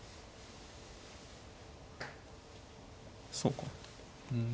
そうかうん。